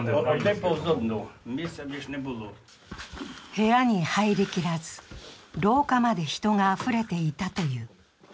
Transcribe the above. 部屋に入りきらず、廊下まで人があふれていたという。